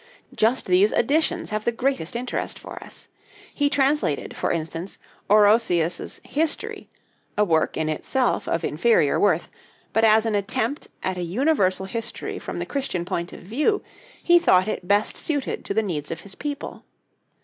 Just these additions have the greatest interest for us. He translated, for instance, Orosius's 'History'; a work in itself of inferior worth, but as an attempt at a universal history from the Christian point of view, he thought it best suited to the needs of his people.